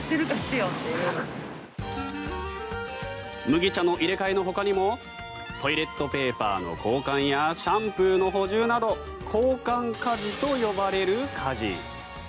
麦茶の入れ替えのほかにもトイレットペーパーの交換やシャンプーの補充など交換家事と呼ばれる家事。